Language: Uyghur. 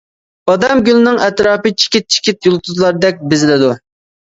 بادام گۈلىنىڭ ئەتراپى چېكىت-چېكىت يۇلتۇزلاردەك بېزىلىدۇ.